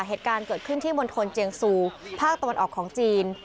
เหตุการณ์เกิดขึ้นที่มณฑลเจียงซูภาคตะวันออกของจีน